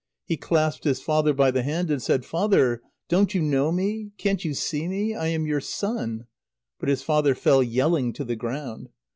He clasped his father by the hand, and said: "Father! don't you know me? can't you see me? I am your son." But his father fell yelling to the ground.